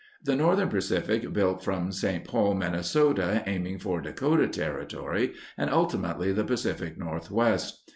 The Northern Pacific built from St. Paul, Minnesota, aiming for Dakota Territory and ultimately the Pa cific Northwest.